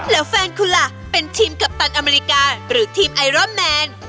แล้วแฟนคุณล่ะเป็นทีมกัปตันอเมริกาหรือทีมไอรอนแมน